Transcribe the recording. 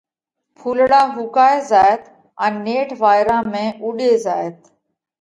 ڦُولڙا ۿُوڪائي زائت ان نيٺ وائيرا ۾ اُوڏي زائت۔